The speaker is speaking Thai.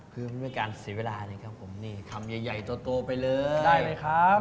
คือไม่มีการเสียเวลาอันนี้ครับผมนี่คำใหญ่ใหญ่โตโตไปเลยได้เลยครับ